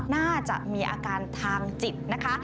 น่าจะมีอาการทางจิตนะคะ